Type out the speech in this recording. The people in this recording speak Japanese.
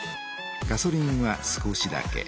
ガソリンは少しだけ。